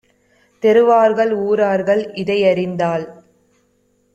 தெருவார்கள் ஊரார்கள் இதையறிந்தால்